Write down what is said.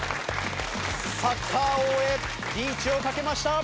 サッカー王へリーチをかけました。